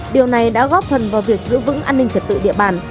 điều này đã góp phần vào việc giữ vững an ninh trật tự địa bàn